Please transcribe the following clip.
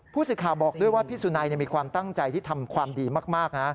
ผู้สื่อข่าวบอกด้วยว่าพี่สุนัยมีความตั้งใจที่ทำความดีมากนะ